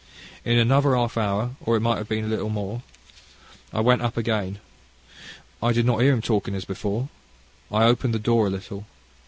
"In another half hour, or it might be a little more, I went up again. I did not hear him talking as before. I opened the door a little.